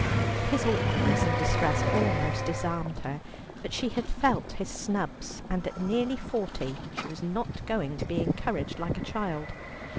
His awkwardness and distress almost disarmed her, but she had felt his snubs, and at nearly forty she was not going to be encouraged like a child.